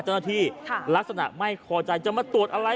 เจ้าหน้าที่ลักษณะไม่ขอใจจะมาตรวจอะไร